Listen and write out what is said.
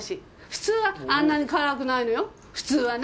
普通はあんなに辛くないのよ普通はね！